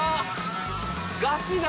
ガチだ！